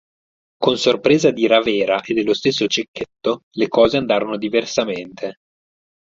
Con sorpresa di Ravera e dello stesso Cecchetto, le cose andarono diversamente.